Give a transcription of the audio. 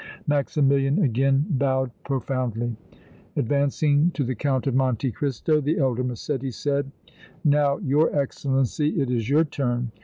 Maximilian again bowed profoundly. Advancing to the Count of Monte Cristo the elder Massetti said: "Now, your Excellency, it is your turn.